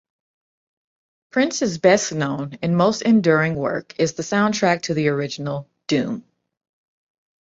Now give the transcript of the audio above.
Prince's best-known and most enduring work is the soundtrack to the original "Doom".